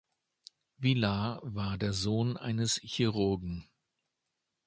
Villar war der Sohn eines Chirurgen.